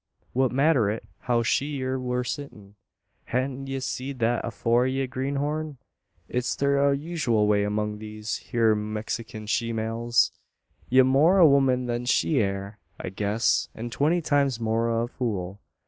"What matter it, how she wur sittin'! Hain't ye seed thet afore, ye greenhorn? It's thur usooal way 'mong these hyur Mexikin sheemales. Ye're more o' a woman than she air, I guess; an twenty times more o' a fool.